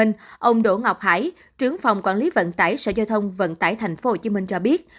thủ ngọc hải trướng phòng quản lý vận tải sở giao thông vận tải tp hcm cho biết